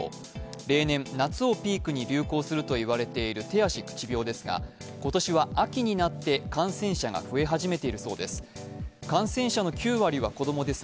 例年、夏をピークに流行すると言われている手足口病ですが今年は秋になって感染者が増え始めているそうです。